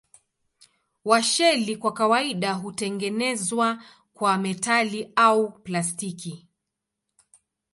Washeli kwa kawaida hutengenezwa kwa metali au plastiki.